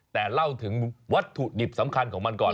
แต่เล่าถึงวัตถุดิบสำคัญของมันก่อน